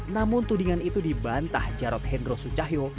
namun tudingan itu dibantah jarod hendro sucahyo